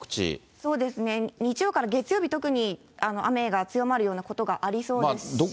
そうですね、日曜日から月曜日、特に雨が強まるようなことがありそうですし。